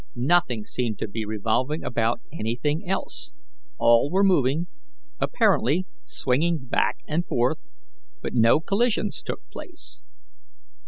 Nothing seemed to be revolving about anything else; all were moving, apparently swinging back and forth, but no collisions took place.